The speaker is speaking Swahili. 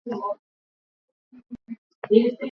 Norway inaongoza kwa kuwa na uhuru mkubwa wa wandishi habari